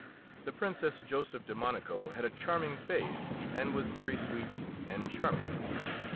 The Princess Joseph de Monaco had a charming face, and was very sweet and charming.